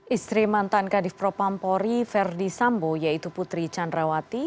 istri mantan kadif propampori verdi sambo yaitu putri candrawati